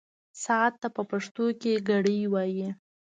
ساعت ته په پښتو کې ګړۍ وايي.